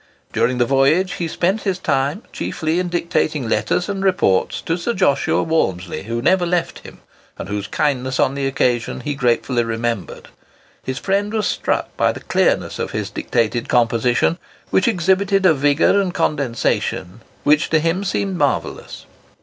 During the voyage, he spent his time chiefly in dictating letters and reports to Sir Joshua Walmsley, who never left him, and whose kindness on the occasion he gratefully remembered. His friend was struck by the clearness of his dictated composition, which exhibited a vigour and condensation which to him seemed marvellous.